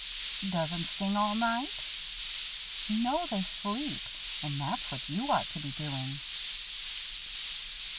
"Does 'em sing all night?" "No, they sleep, and that's what you ought to be doing."